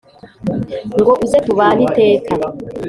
ngo uze tubane iteka